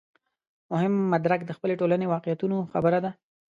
مهم مدرک د خپلې ټولنې واقعیتونو خبره ده.